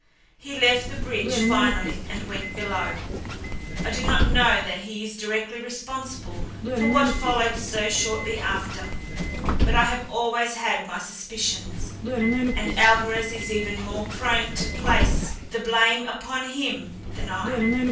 He left the bridge finally and went below. I do not know that he is directly responsible for what followed so shortly after; but I have always had my suspicions, and Alvarez is even more prone to place the blame upon him than I.